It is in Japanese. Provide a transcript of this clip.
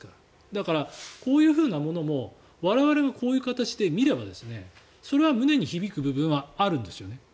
だから、こういうふうなものも我々がこういう形で見ればそれは胸に響く部分はあるんですよね。